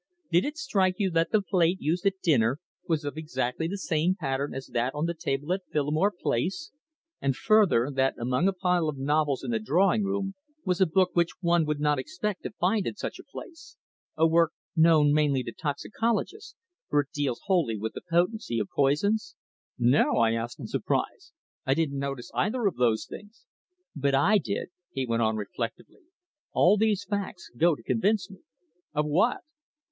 "Did it strike you that the plate used at dinner was of exactly the same pattern as that on the table at Phillimore Place, and further, that among a pile of novels in the drawing room was a book which one would not expect to find in such a place a work known mainly to toxicologists, for it deals wholly with the potency of poisons?" "No," I said in surprise, "I didn't notice either of those things." "But I did," he went on reflectively. "All these facts go to convince me." "Of what?"